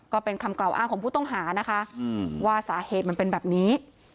ก็เป็นคำกล่าวอ้างของผู้ต้องหานะคะว่าสาเหตุมันเป็นแบบนี้